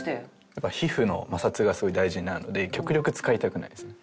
やっぱ皮膚の摩擦がすごい大事になるので極力使いたくないですね。